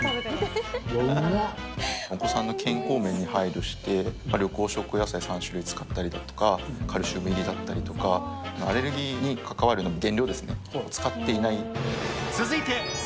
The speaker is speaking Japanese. うわ、お子さんの健康面に配慮して、緑黄色野菜３種類使ったりだとか、カルシウム入りだったりとか、アレルギーに関わるもの、原料ですね、使っていない。